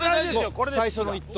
最初の一投。